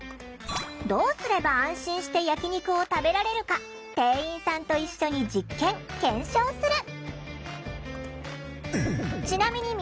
どうすれば安心して焼き肉を食べられるか店員さんと一緒に実験・検証する。